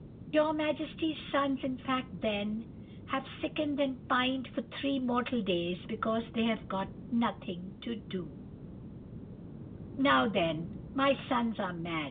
"'Your Majesty's sons, in fact, then, have sickened and pined for three mortal days, because they have got nothing to do.' "'Now, then, my sons are mad!